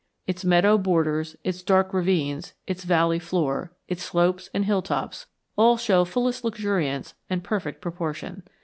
Its meadow borders, its dark ravines, its valley floor, its slopes and hilltops, all show fullest luxuriance and perfect proportion.